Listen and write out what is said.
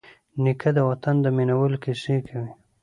نیکه د وطن د مینوالو کیسې کوي.